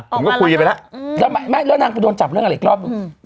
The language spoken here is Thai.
ผมก็คุยไปแล้วอืมแล้วไหมแล้วนางไปโดนจับเรื่องอะไรอีกรอบอืม